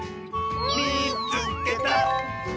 「みいつけた！」。